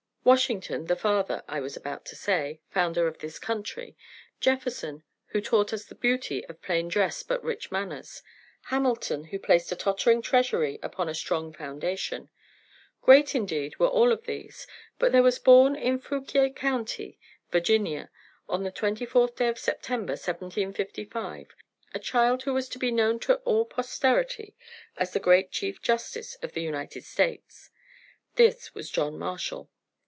Washington 'The father' I was about to say 'founder of his country'; Jefferson who taught us the beauty of plain dress but rich manners; Hamilton who placed a tottering treasury upon a strong foundation, Great indeed were all of these, but there was born in Fouquier county, Virginia, on the 24th day of September, 1755, a child who was to be known to all posterity as the great Chief Justice of the United States. This was John Marshall.